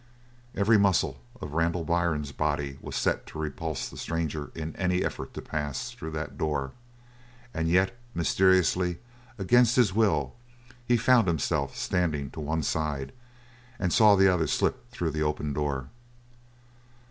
Every muscle of Randall Byrne's body was set to repulse the stranger in any effort to pass through that door, and yet, mysteriously, against his will, he found himself standing to one side, and saw the other slip through the open door.